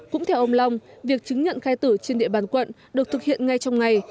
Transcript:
cũng theo ông long việc chứng nhận khai tử trên địa bàn quận được thực hiện ngay trong ngày